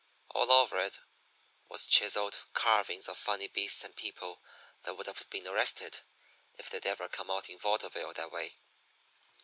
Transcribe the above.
All over it was chiselled carvings of funny beasts and people that would have been arrested if they'd ever come out in vaudeville that way.